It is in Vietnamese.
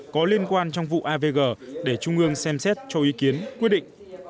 có liên quan trong vụ avg để trung ương xem xét cho ý kiến quyết định